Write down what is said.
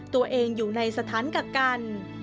ตัวเองอยู่ในสถานกักกัน